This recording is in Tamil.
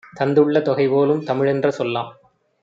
தந்துள்ள தொகைபோலும் தமிழென்ற சொல்லாம்.